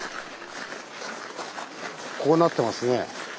こうなってますね。